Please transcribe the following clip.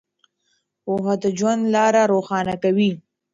پوهه د ژوند لاره روښانه کوي.